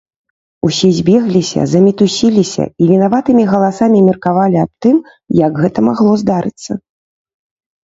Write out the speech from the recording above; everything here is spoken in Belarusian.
Усе збегліся, замітусіліся і вінаватымі галасамі меркавалі аб тым, як гэта магло здарыцца.